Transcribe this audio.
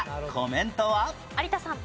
有田さん。